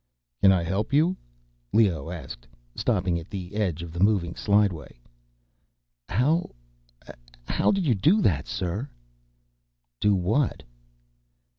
"Can I help you?" Leoh asked, stopping at the edge of the moving slideway. "How ... how did you do that, sir?" "Do what?"